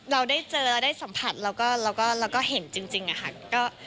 เราได้เจอเราได้สัมผัสแล้วก็เห็นจริงอะค่ะ